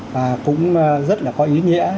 và cũng rất là có ý nghĩa